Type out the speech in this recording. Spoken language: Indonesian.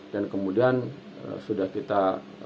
dan kemudian sudah kita